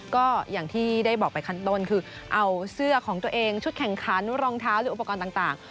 ก็อย่างที่ได้บอกไปขั้นต้นคือเอาเสื้อของตัวเองชุดแข่งขันรองเท้าหรืออุปกรณ์ต่าง